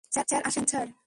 Sir, আসেন, sir.